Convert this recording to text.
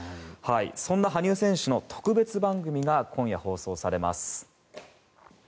そんな羽生選手の特別番組が今夜放送されます。